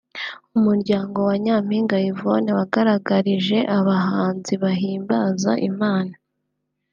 umuryango wa Nyampinga Yvonne wagaragarije abahanzi bahimbaza Imana